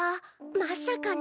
まさかね。